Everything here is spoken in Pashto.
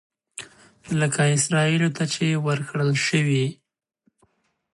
لکه اسرائیلو ته چې ورکړل شوي.